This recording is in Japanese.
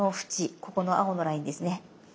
ここの青のラインですね。